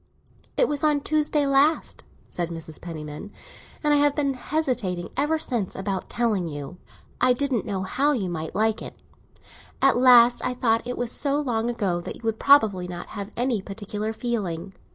"It was on Tuesday last," said Mrs. Penniman, "and I have been hesitating ever since about telling you. I didn't know how you might like it. At last I thought that it was so long ago that you would probably not have any particular feeling.